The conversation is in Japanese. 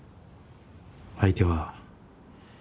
相手は。